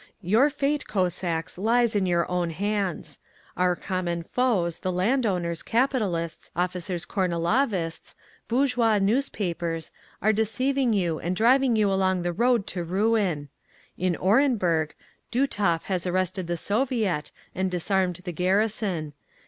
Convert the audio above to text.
"Your fate, Cossacks, lies in your own hands. Our common foes, the landowners, capitalists, officers Kornilovists, bourgeois newspapers, are deceiving you and driving you along the road to ruin. In Orenburg, Dutov has arrested the Soviet and disarmed the garrison.